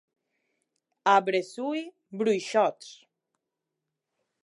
A Bressui, bruixots.